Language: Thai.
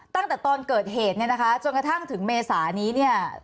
ตั้งแต่ตอนเกิดเหตุเนี่ยนะคะจนกระทั่งถึงเมษานี้เนี่ย